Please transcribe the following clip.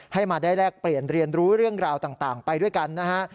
ให้มาได้แลกเปลี่ยนเรียนรู้เรื่องราวต่างไปด้วยกันนะฮะ